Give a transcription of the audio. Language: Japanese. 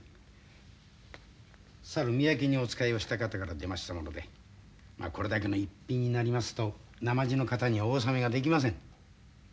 さる宮家にお仕えをした方から出ましたものでこれだけの逸品になりますとなまじの方にはお納めができません。